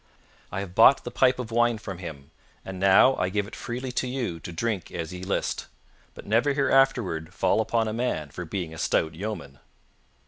I have bought the pipe of wine from him, and now I give it freely to you to drink as ye list. But never hereafterward fall upon a man for being a stout yeoman."